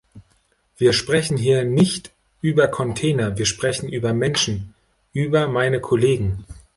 Wir sprechen hier nicht über Container, wir sprechen über Menschen, über meine Kollegen.